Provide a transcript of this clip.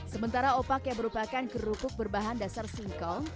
sementara opak yang merupakan kerupuk berbahan dasar singkong